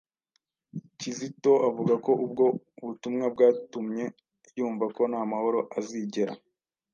Kizito avuga ko ubwo butumwa bwatumye yumva ko nta mahoro azigera